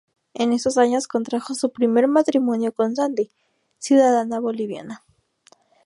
En esos años contrajo su primer matrimonio con Sandy, ciudadana boliviana.